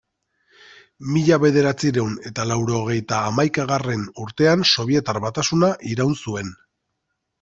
Mila bederatziehun eta laurogeita hamaikagarren urtean Sobietar Batasuna iraun zuen.